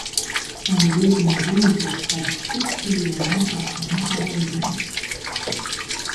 On le désigne de nos jours presque exclusivement par son nom aborigène.